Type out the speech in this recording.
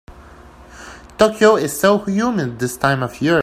Tokyo is so humid this time of year.